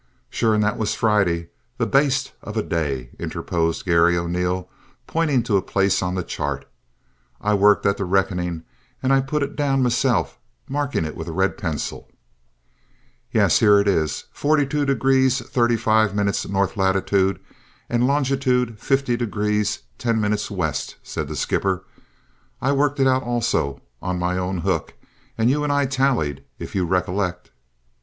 "Sure, an' that was Friday, that baste of a day!" interposed Garry O'Neil, pointing to a place on the chart. "I worked at the rickonin' and I put it down meself, marking it with a red pencil." "Yes; here it is, 42° 35 minutes north latitude, and longitude 50° 10 minutes west," said the skipper. "I worked it out also, on my own hook, and you and I tallied, if you recollect?"